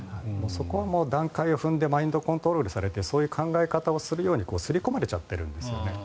そこは段階を踏んでマインドコントロールされてそういう考え方をするように刷り込まれちゃってるんですね。